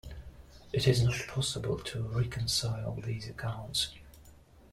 It is not possible to reconcile these accounts.